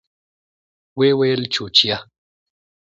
ويې ويل چوچيه.